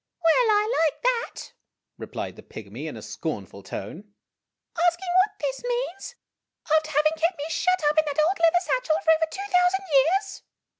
"Well ! I like that," replied the pygmy in a scornful tone ;" ask ing what this means, after having kept me shut up in that old leather satchel for over two thousand years